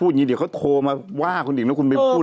นี่เดี๋ยวเขาโทรมาว่าคนอีกแล้วคุณไปพูด